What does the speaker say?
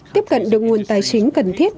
tiếp cận được nguồn tài chính cần thiết